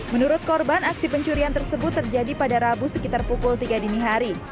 menurut korban aksi pencurian tersebut terjadi pada rabu sekitar pukul tiga dini hari